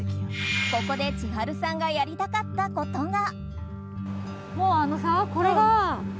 ここで千春さんがやりたかったことが。